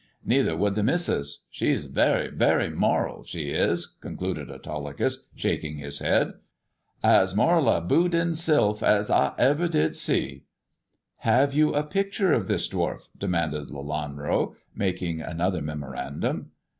Neither would the missus. She's very, very moral, she is," concluded Autolycus, shaking his head. " As moral a Boundin' Sylph as I ever did see." " Have you a picture of this dwarf ]" demanded Lelanro, making another memorandum.